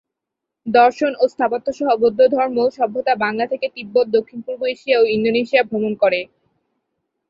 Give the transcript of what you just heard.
দর্শন ও স্থাপত্য সহ বৌদ্ধধর্ম সভ্যতা বাংলা থেকে তিব্বত, দক্ষিণ -পূর্ব এশিয়া ও ইন্দোনেশিয়া ভ্রমণ করে।